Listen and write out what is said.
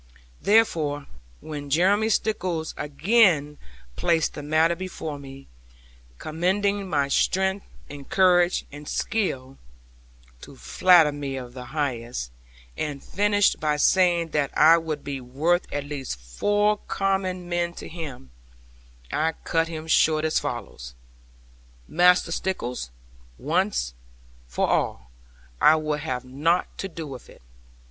Therefore, when Jeremy Stickles again placed the matter before me, commending my strength and courage and skill (to flatter me of the highest), and finished by saying that I would be worth at least four common men to him, I cut him short as follows: 'Master Stickles, once for all, I will have naught to do with it.